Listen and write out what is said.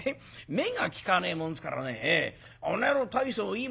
目が利かねえもんですからねあの野郎大層いいものをね